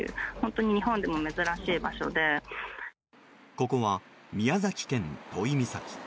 ここは、宮崎県都井岬。